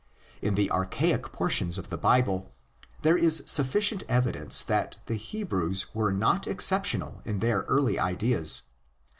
In the archaic portions of the Bible there is sufficient evidence that the Hebrews were not exceptional in their early ideas.